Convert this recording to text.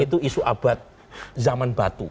itu isu abad zaman batu